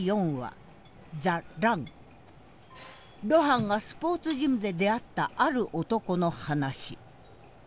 露伴がスポーツジムで出会ったある男の話。